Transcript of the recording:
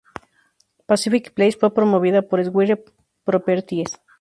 Pacific Place fue promovida por Swire Properties.